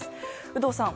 有働さん